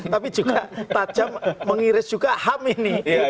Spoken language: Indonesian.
tapi juga tajam mengiris juga ham ini